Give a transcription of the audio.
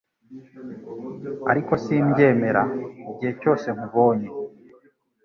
ariko simbyemera. Igihe cyose nkubonye,